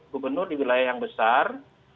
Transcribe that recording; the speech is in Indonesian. gubernur di wilayah yang besar